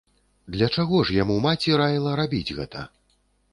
Для чаго ж яму маці раіла рабіць гэта?